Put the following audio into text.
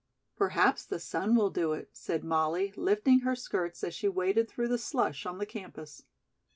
"Perhaps the sun will do it," said Molly, lifting her skirts as she waded through the slush on the campus.